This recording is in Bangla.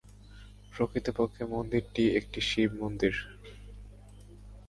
প্রকৃতপক্ষে মন্দিরটি একটি শিব মন্দির।